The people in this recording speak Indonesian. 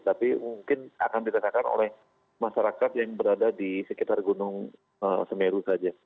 tapi mungkin akan dirasakan oleh masyarakat yang berada di sekitar gunung semeru saja